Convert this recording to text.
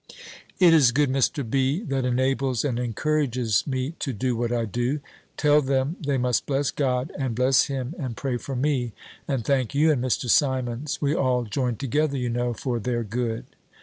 "It is good Mr. B. that enables and encourages me to do what I do. Tell them, they must bless God, and bless him, and pray for me, and thank you and Mr. Simmonds: we all join together, you know, for their good."